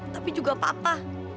tapi juga papa